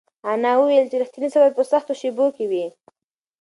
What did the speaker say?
انا وویل چې رښتینی صبر په سختو شېبو کې وي.